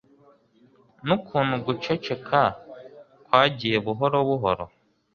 nukuntu guceceka kwagiye buhoro buhoro